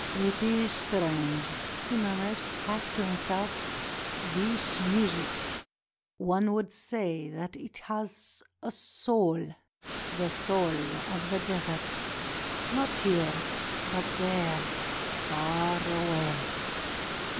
"It is strange," he murmured half to himself, "this music; one would say that it has a soul — the soul of the desert ; not here, but there, far away.